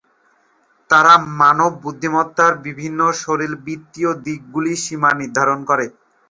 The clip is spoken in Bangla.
তারা মানব বুদ্ধিমত্তার বিভিন্ন শারীরবৃত্তীয় দিকগুলির সীমা নির্ধারণ করে।